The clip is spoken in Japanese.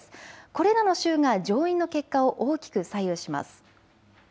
これらの州が上院の結果を大きく左右します。